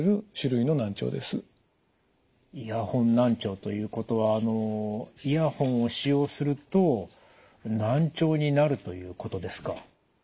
難聴ということはイヤホンを使用すると難聴になるということですか？